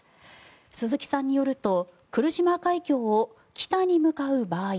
鈴木さんによると来島海峡を北に向かう場合